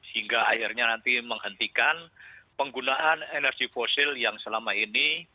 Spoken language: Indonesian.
hingga akhirnya nanti menghentikan penggunaan energi fosil yang selama ini